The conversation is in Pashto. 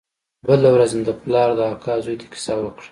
بله ورځ مې د پلار د اکا زوى ته کيسه وکړه.